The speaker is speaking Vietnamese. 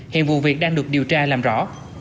hiện vụ việc đang được điều tra làm rõ